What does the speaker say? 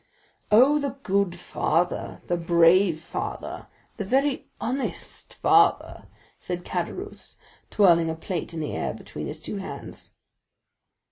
"Oh, the good father, the brave father, the very honest father!" said Caderousse, twirling a plate in the air between his two hands.